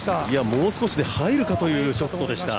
もう少しで入るかというショットでした。